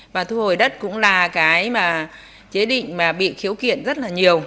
và thu hồi đất cũng là cái mà chế định mà bị khiếu kiện rất là nhiều